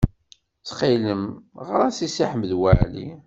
Ttxil-m, ɣer-as i Si Ḥmed Waɛli.